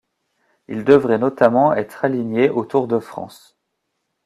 Il devrait notamment être aligné au Tour de France.